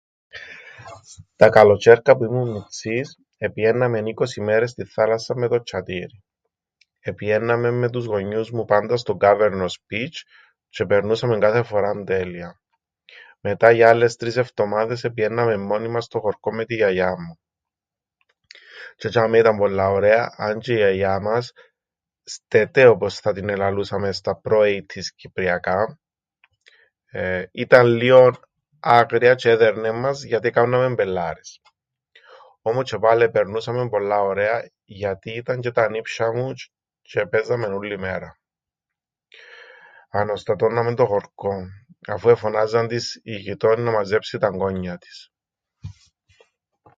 Τα καλοτζ̆αίρκα που ήμουν μιτσής επηαίνναμεν είκοσι μέρες στην θάλασσαν με το τσ̆ατίριν. Επηαίνναμεν με τους γονιούς μου πάντα στο Γκάβερνορς Πιτς̆, τζ̆' επερνούσαμεν κάθε φοράν τέλεια. Μετά για άλλες τρεις εφτομάδες επηαίνναμεν μόνοι μας στο χωρκόν με την γιαγιάν μου. Τζ̆αι τζ̆ειαμαί ήταν πολλά ωραία, αν τζ̆αι η γιαγιά μας -στετέ όπως θα την ελαλούσαμεν στα προ έιττις κυπριακά- εεε... ήταν λλίον... άγρια τζ̆αι έδερνεν μας, γιατί εκάμναμεν πελλάρες. Όμως τζ̆αι πάλε επερνούσαμεν πολλά ωραία, γιατί ήταν τζ̆αι τα ανίψ̆ια μου τζ̆αι επαίζαμεν ούλλη μέρα. Αναστατώνναμεν το χωρκόν. Αφού εφωνάζαν της οι γειτόνοι να μαζέψει τ' αγγόνια της.